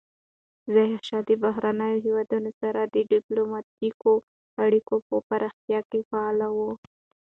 ظاهرشاه د بهرنیو هیوادونو سره د ډیپلوماتیکو اړیکو په پراختیا کې فعال و.